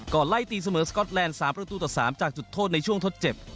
ไล่ตีเสมอสก๊อตแลนด์๓ประตูต่อ๓จากจุดโทษในช่วงทดเจ็บ